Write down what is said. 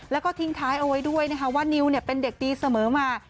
แล้วก็ทิ้งท้ายเอาไว้ด้วยนะคะว่านิวเป็นเด็กดีเสมอมา